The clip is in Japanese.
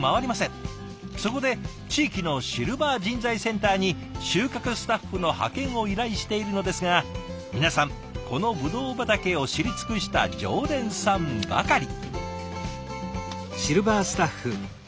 そこで地域のシルバー人材センターに収穫スタッフの派遣を依頼しているのですが皆さんこのブドウ畑を知り尽くした常連さんばかり。